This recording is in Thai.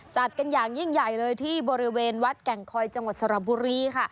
จัดกันอย่างยิ่งใหญ่เลยที่บริเวณวัดแก่งคอยจังหวัดสระบุรีค่ะ